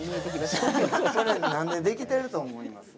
これ何で出来てると思います？